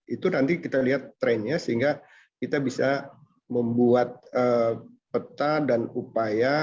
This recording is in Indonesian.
itu nanti kita lihat trennya sehingga kita bisa membuat peta dan upaya